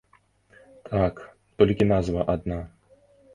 Так, толькі назва адна.